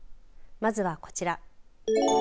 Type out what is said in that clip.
まずはこちら。